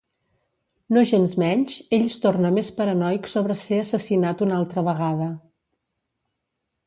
Nogensmenys ell es torna més paranoic sobre ser assassinat una altra vegada.